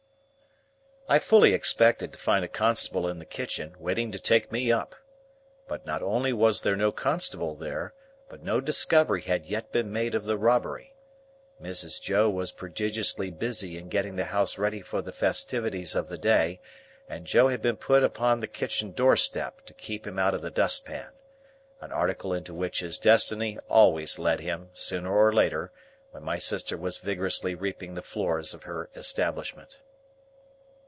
I fully expected to find a Constable in the kitchen, waiting to take me up. But not only was there no Constable there, but no discovery had yet been made of the robbery. Mrs. Joe was prodigiously busy in getting the house ready for the festivities of the day, and Joe had been put upon the kitchen doorstep to keep him out of the dust pan,—an article into which his destiny always led him, sooner or later, when my sister was vigorously reaping the floors of her establishment.